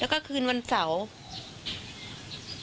แล้วก็คืนวันเสาร์